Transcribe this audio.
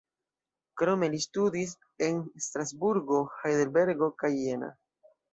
Krome li studis en Strasburgo, Hajdelbergo kaj Jena.